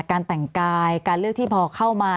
การแต่งกายการเลือกที่พอเข้ามา